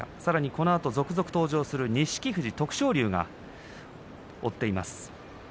このあと続々登場する錦富士、徳勝龍が登場します。